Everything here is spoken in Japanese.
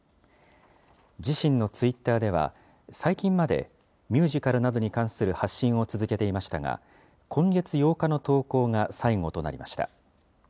自身のツイッターでは、最近までミュージカルなどに関する発信を続けていましたが、今月８日の投稿が最後となりました。